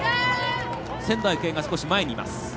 仙台育英が少し前にいます。